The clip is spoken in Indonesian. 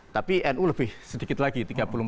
tapi nu lebih sedikit lagi